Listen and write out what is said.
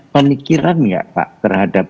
penikiran gak pak terhadap